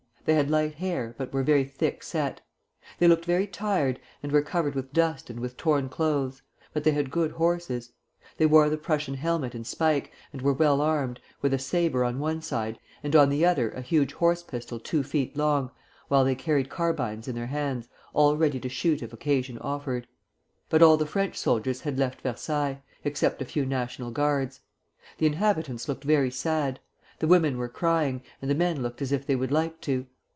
They had light hair, but were very thick set. They looked very tired, and were covered with dust and with torn clothes: but they had good horses. They wore the Prussian helmet and spike, and were well armed, with a sabre on one side and on the other a huge horse pistol two feet long, while they carried carbines in their hands, all ready to shoot if occasion offered. But all the French soldiers had left Versailles, except a few National Guards. The inhabitants looked very sad; the women were crying, and the men looked as if they would like to.